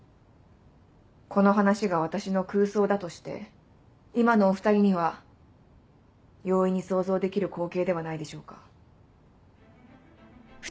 この話が私の空想だとして今のお２人には容易に想像できる光景ではないでしょうか？